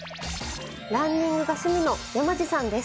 ランニングが趣味の山地さんです。